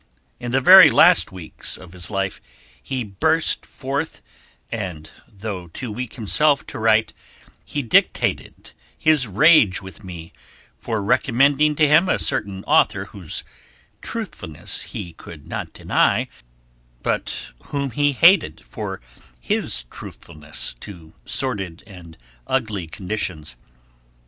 In the very last weeks of his life he burst forth, and, though too weak himself to write, he dictated his rage with me for recommending to him a certain author whose truthfulness he could not deny, but whom he hated for his truthfulness to sordid and ugly conditions.